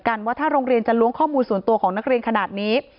คุณเข้าใจมัยว่าถ้าโรงเรียนจะล้วงข้อมูลส่วนตัวของเขาขนาดนี้